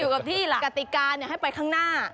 กับที่กติกาให้ไปข้างหน้า